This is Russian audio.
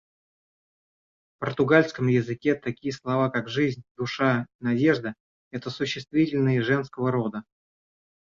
В португальском языке такие слова, как жизнь, душа и надежда, — это существительные женского рода.